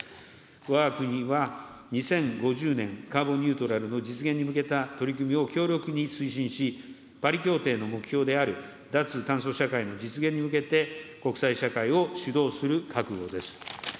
わが国は２０５０年カーボンニュートラルの実現に向けた取り組みを強力に推進し、パリ協定の目標である脱炭素社会の実現に向けて、国際社会を主導する覚悟です。